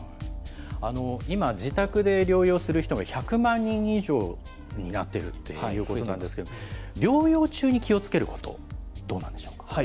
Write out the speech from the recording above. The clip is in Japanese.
今、自宅で療養する人が１００万人以上になっているということなんですけれども、療養中に気をつけること、どうなんでしょうか。